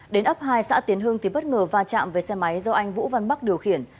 đến ấp hai xã tiến hưng thì bất ngờ va chạm về xe máy do anh vũ văn bắc điều khiển